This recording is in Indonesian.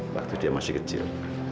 waktu dia masih kecil